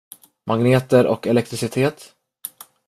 Magneter och elektricitet?